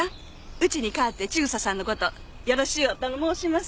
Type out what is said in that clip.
うちに代わって千草さんのことよろしゅうお頼申します。